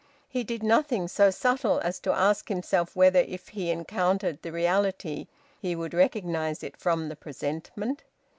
He did nothing so subtle as to ask himself whether if he encountered the reality he would recognise it from the presentment.